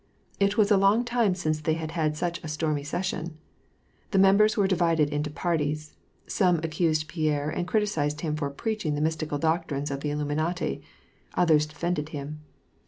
It was a long time since they had had such a stormy se^on. The members were divided into parties : some accused Pierre an4 criticised him for preaching the mystical doctrines of the Illuminati ; others defended him.